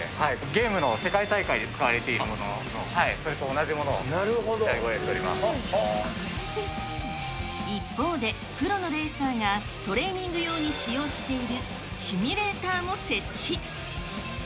ゲームの世界大会で使われていたものと、それと同じものをご一方で、プロのレーサーがトレーニング用に使用しているシミュレーターも設置。